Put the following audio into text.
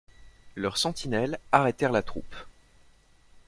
Leurs sentinelles arrêtèrent la troupe.